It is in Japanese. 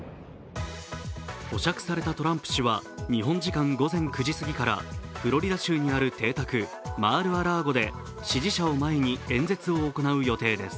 保釈されたトランプ氏は日本時間午前９時過ぎからフロリダ州にある邸宅、マール・ア・ラーゴで支持者を前に演説を行う予定です。